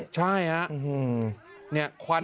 ใช่ฮะ